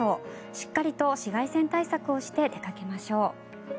しっかりと紫外線対策をして出かけましょう。